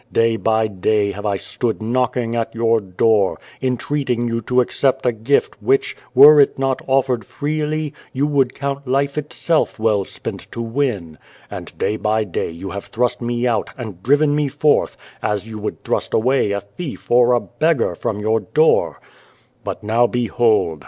Day by day have I stood knocking at your door, entreating you to accept a gift which, were it not offered freely, you would count life itself well spent to win. And day by day you have The Child, the Wise Man thrust Me out, and driven Me forth as you would thrust away a thief or a beggar from your door. " But now behold